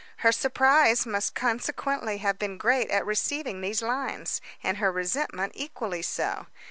Her surprise must consequently have been great at receiving these lines, and her resentment equally so.